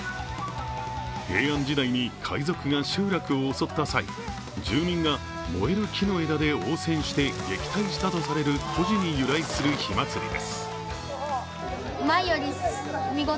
平安時代に海賊が集落を襲った際、住民が燃える木の枝で応戦して撃退したとされる故事に由来する火祭りです。